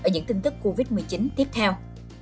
ở những tin tức covid một mươi chín tiếp theo